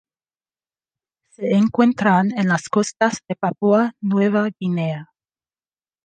Se encuentran en las costas de Papúa Nueva Guinea.